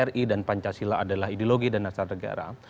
nkri dan pancasila adalah ideologi dan nasa negara